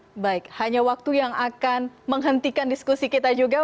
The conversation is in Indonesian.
terima kasih banyak banyak yang akan menghentikan diskusi kita juga